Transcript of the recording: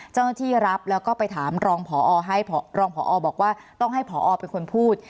เจ้าหน้าที่รับแล้วก็ไปถามรองพอให้รองพอบอกว่าต้องให้ผอเป็นคนพูด